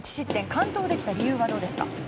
完投できた理由はどうですか？